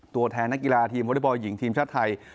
ตัวแทนนักกีฬาทีมวอเล็กบอลหญิงทีมชาติไทย